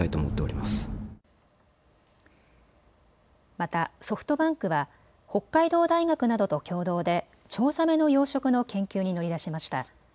またソフトバンクは北海道大学などと共同でチョウザメの養殖の研究に乗り出しました。